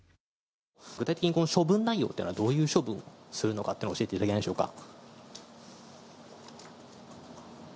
具体的に処分内容というのはどういう処分するのかっていうのを教えていただけないでしょうか。